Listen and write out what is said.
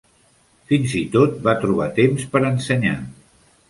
Fins i tot va trobar temps per ensenyar.